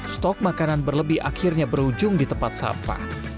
stok makanan berlebih akhirnya berujung di tempat sampah